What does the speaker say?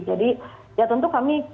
jadi ya tentu kami